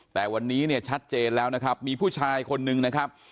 แต่วันนี้เนี่ยชัดเจนแล้วนะครับมีผู้ชายคนนึงนะครับ